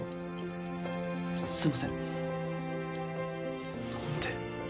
すいません何で？